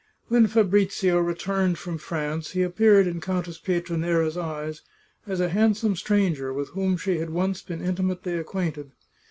When Fabrizio returned from France he appeared in Countess Pietranera's eyes as a handsome stranger with whom she had once been intimately ac quainted.